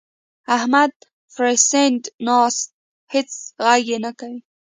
احمد پړسنده ناست؛ هيڅ ږغ نه کوي.